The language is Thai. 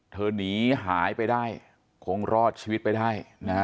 หนีหายไปได้คงรอดชีวิตไปได้นะฮะ